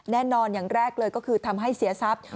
อย่างแรกเลยก็คือทำให้เสียทรัพย์